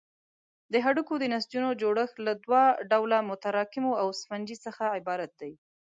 د هډوکو د نسجونو جوړښت له دوه ډوله متراکمو او سفنجي څخه عبارت دی.